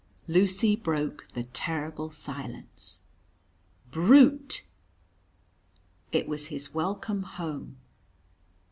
Lucy broke the terrible silence. "Brute!" It was his welcome home.